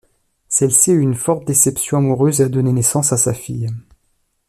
Celle-ci a eu une forte déception amoureuse et a donné naissance à sa fille.